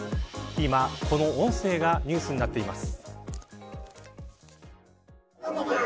今、この音声がニュースになっています。